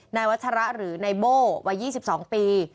นายวัชระหรือนายโบ้วัย๒๒ปี